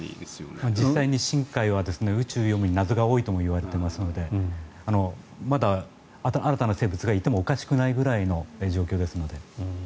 実際に深海は宇宙より謎が多いともいわれていますのでまだ新たな生物がいてもおかしくないぐらいの状況ですので。